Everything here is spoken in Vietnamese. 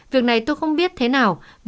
việc này tôi không biết thế nào